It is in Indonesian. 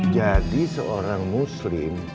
jadi seorang muslim